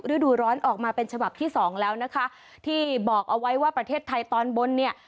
ฤดูร้อนออกมาเป็นฉบับที่สองแล้วนะคะที่บอกเอาไว้ว่าประเทศไทยตอนบนเนี่ย